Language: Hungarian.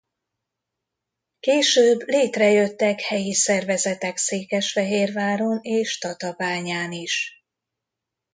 Később létrejöttek helyi szervezetek Székesfehérváron és Tatabányán is.